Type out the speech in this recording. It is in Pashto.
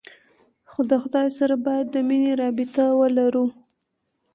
خو د خداى سره بايد د مينې رابطه ولرو.